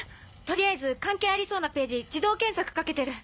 取りあえず関係ありそうなページ自動検索かけてる。